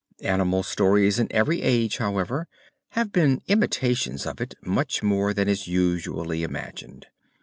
Animal stories in every age, however, have been imitations of it much more than is usually imagined.